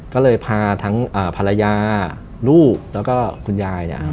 ก็เลยพาทั้งภรรยาลูกแล้วก็คุณยายเนี่ย